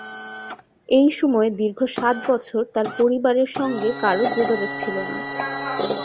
এই সময়ে দীর্ঘ সাত বছর তার পরিবারের সঙ্গে কারও যোগাযোগ ছিল না।